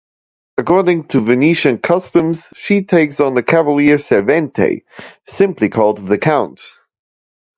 According to Venetian customs she takes on a "Cavalier Servente", simply called "the Count".